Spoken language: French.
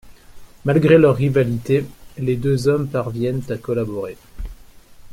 Malgré leur rivalité, les deux hommes parviennent à collaborer.